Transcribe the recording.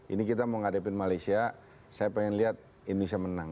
ini kita mau ngadepin malaysia saya pengen lihat indonesia menang